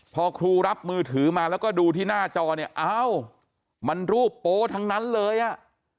พอครูรับมือถือมาแล้วก็ดูที่หน้าจอเนี่ยอ้าวมันรูปโป๊ทั้งนั้นเลยอ่ะ